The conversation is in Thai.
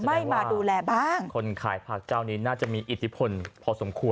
ไม่มาดูแลบ้างนะครับ